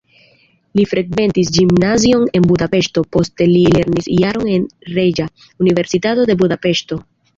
Li frekventis gimnazion en Budapeŝto, poste li lernis jaron en Reĝa Universitato de Budapeŝto.